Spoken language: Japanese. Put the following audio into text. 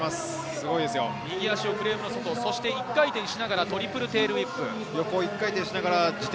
右足をフレームの外、そして１回転しながらトリプルテールウィップ。